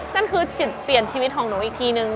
นั่นคือจุดเปลี่ยนชีวิตของหนูอีกทีนึง